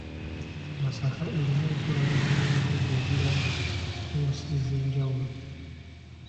Masaka erina enkolagana n’ebibuga ebirala mu nsi ez’enjawulo.